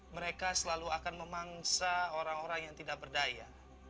mereka selalu akan memangsa orang orang yang tidak berdaya